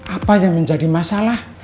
apa yang menjadi masalah